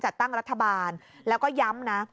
ตั้งรัฐบาลแล้วก็ย้ำนะ